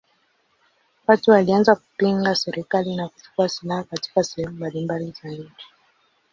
Watu walianza kupinga serikali na kuchukua silaha katika sehemu mbalimbali za nchi.